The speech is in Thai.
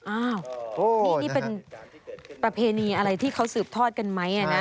อ้าวนี่เป็นประเพณีอะไรที่เขาสืบทอดกันไหมนะ